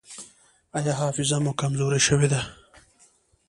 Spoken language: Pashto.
ایا حافظه مو کمزورې شوې ده؟